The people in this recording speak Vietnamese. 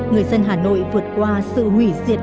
người dân hà nội vượt qua sự hủy diệt